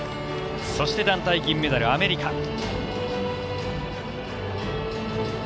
そして、団体銀メダルアメリカ。